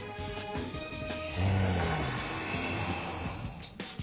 うん。